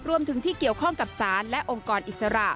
รวมถึงที่เกี่ยวข้องกับสารและองค์กรอิสระ